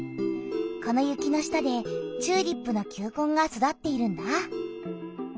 この雪の下でチューリップの球根が育っているんだ。